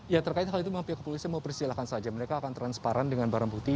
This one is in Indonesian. ya terkait hal itu memang pihak kepolisian mau persilahkan saja mereka akan transparan dengan barang bukti